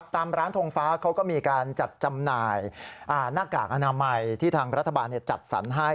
ตามร้านทงฟ้าเขาก็มีการจัดจำหน่ายหน้ากากอนามัยที่ทางรัฐบาลจัดสรรให้